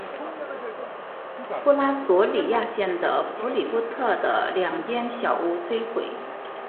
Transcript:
布拉佐里亚县的弗里波特的两间小屋摧毁。